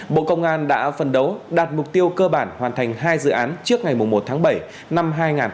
bộ công an đã phân đấu đạt mục tiêu cơ bản hoàn thành hai dự án trước ngày một tháng bảy năm hai nghìn hai mươi bốn